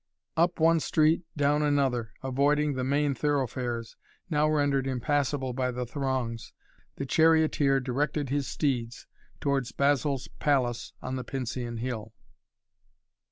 Up one street, down another, avoiding the main thoroughfares, now rendered impassable by the throngs, the charioteer directed his steeds towards Basil's palace on the Pincian Hill.